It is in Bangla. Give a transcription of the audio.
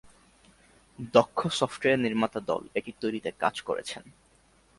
দক্ষ সফটওয়্যার নির্মাতা দল এটি তৈরিতে কাজ করেছেন।